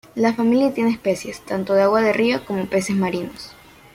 La familia tiene especies tanto de agua de río como peces marinos.